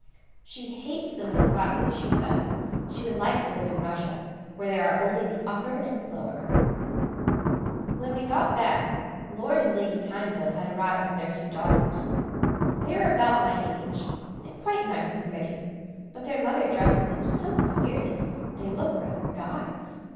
She hates the middle classes, she says, she would like to live in Russia, where there are only the upper and lower. [Sidenote: Croquet under Difficulties] When we got back, Lord and Lady Tyneville had arrived with their two daughters. They are about my age, and quite nice and pretty; but their mother dresses them so queerly, they look rather guys.